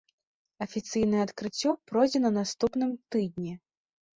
Афіцыйнае адкрыццё пройдзе на наступным тыдні.